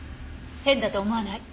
変だと思わない？